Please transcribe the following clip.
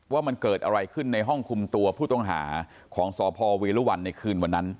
ว่ามันเกิดอะไรขึ้นในห้องคุมตัวผู้ต้องหาของสพเวรุวันในคืนวันนั้น